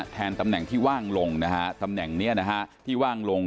แทนตำแหน่งที่ว่างลงตำแหน่งนี้ที่ว่างลง